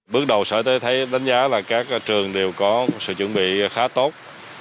bước đầu sở y tế thấy đánh giá là các trường đều có sự chuẩn bị khá tốt